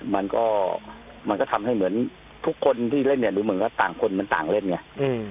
มันก็มันก็ทำให้เหมือนทุกคนที่เล่นเนี่ยดูเหมือนว่าต่างคนมันต่างเล่นไง